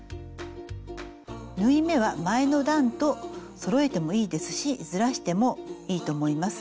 縫い目は前の段とそろえてもいいですしずらしてもいいと思います。